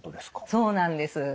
そうなんです。